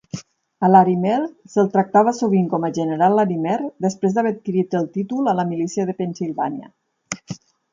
A Larimer se'l tractava sovint com a "General Larimer", després d'haver adquirit el títol a la Milícia de Pennsilvània.